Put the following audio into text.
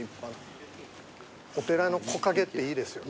お寺の木陰っていいですよね。